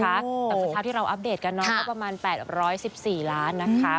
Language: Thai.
แต่สักคราวที่เราอัปเดตกันเนอะก็ประมาณ๘๑๔ล้านนะคะ